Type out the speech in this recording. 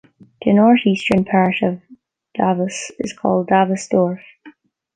The north-eastern part of Davos is called Davos Dorf.